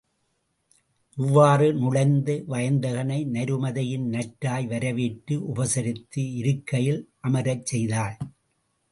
இவ்வாறு நுழைந்த வயந்தகனை நருமதையின் நற்றாய் வரவேற்று உபசரித்து, இருக்கையில் அமரச்செய்தாள்.